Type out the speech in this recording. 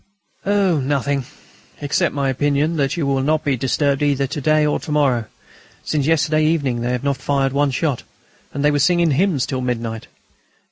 "Oh! nothing, except my opinion that you will not be disturbed either to day or to morrow. Since yesterday evening they have not fired one shot, and they were singing hymns till midnight.